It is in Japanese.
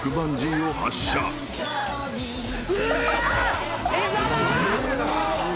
うわ！